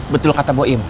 betul kata bu im